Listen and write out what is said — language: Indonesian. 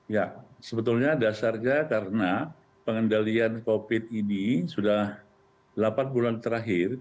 ya sebetulnya dasarnya karena pengendalian covid ini sudah delapan bulan terakhir